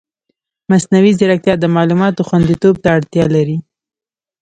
مصنوعي ځیرکتیا د معلوماتو خوندیتوب ته اړتیا لري.